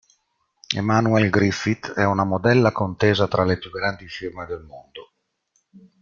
Emanuelle Griffith è una modella contesa tra le più grandi firme del mondo.